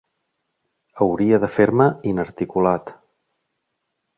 Hauria de fer-me inarticulat.